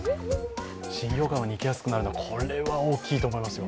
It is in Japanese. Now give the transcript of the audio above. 新横浜に行きやすくなるのはこれは大きいと思いますよ。